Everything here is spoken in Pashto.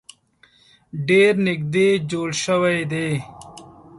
ډیر نیږدې جوړ شوي دي.